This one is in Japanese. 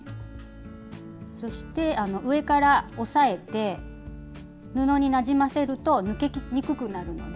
そして上から押さえて布になじませると抜けにくくなるので。